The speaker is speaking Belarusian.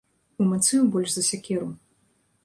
Умацуе больш за сякеру.